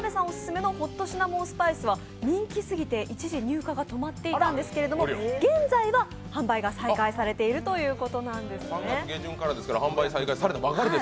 オススメのホット・シナモン・スパイスは人気すぎて一時、入荷が止まっていたんですけど現在は販売が再開されているということなんですね。